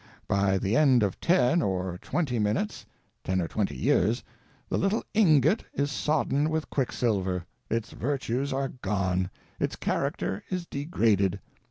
By the end of ten or twenty minutes—ten or twenty years—the little ingot is sodden with quicksilver, its virtues are gone, its character is degraded.